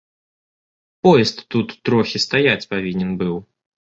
Поезд тут трохі стаяць павінен быў.